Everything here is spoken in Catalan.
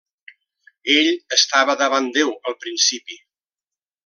Ell estava davant Déu al principi.